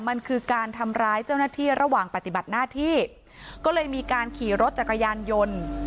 มันคือการทำร้ายเจ้าหน้าที่ระหว่างปฏิบัติหน้าที่ก็เลยมีการขี่รถจักรยานยนต์